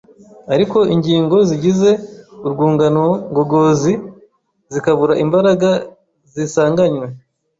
ariko ingingo zigize urwungano ngogozi zikabura imbaraga zisanganywe.